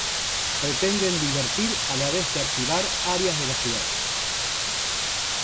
Pretenden divertir a la vez que activar áreas de la ciudad.